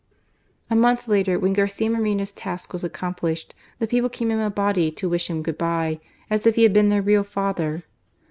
^ A month later, when Garcia Moreno's task was accomplished, the people came in a body to wish him " good bye," as if he had been their real father.